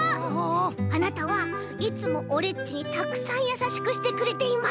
あなたはいつもオレっちにたくさんやさしくしてくれています。